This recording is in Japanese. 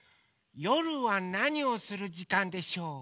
よるはなにをするじかんでしょう？